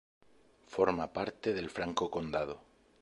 Forma parte del Franco Condado.